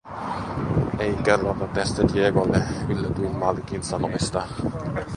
"Ei kerrota tästä Diegolle", yllätyin Malikin sanoista.